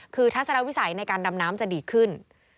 คือทัศนวิสัยในการดำน้ำจะดีขึ้น